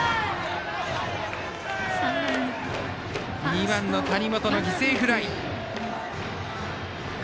２番の谷本の犠牲フライ。